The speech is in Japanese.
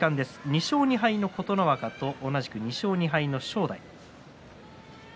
２勝２敗の琴ノ若と同じく２勝２敗の正代との対戦です。